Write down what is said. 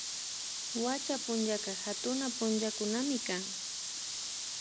Wacha punllaka hatuna punllakunamikan